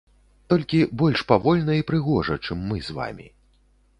Толькі больш павольна і прыгожа, чым мы з вамі.